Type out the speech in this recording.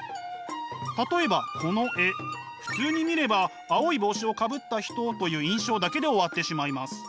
例えばこの絵普通に見れば青い帽子をかぶった人という印象だけで終わってしまいます。